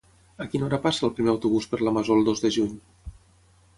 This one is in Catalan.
A quina hora passa el primer autobús per la Masó el dos de juny?